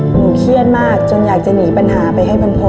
หนูเครียดมากจนอยากจะหนีปัญหาไปให้มันพอ